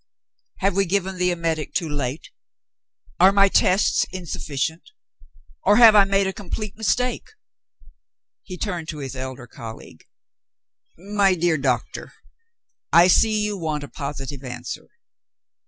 Have we given the emetic too late? Are my tests insufficient? Or have I made a complete mistake?" He turned to his elder colleague. "My dear doctor, I see you want a positive answer.